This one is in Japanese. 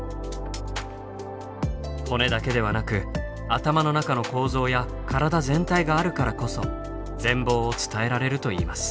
骨だけではなく頭の中の構造や体全体があるからこそ全貌を伝えられるといいます。